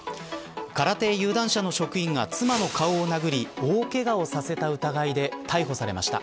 空手有段者の職員が妻の顔を殴り大けがをさせた疑いで逮捕されました。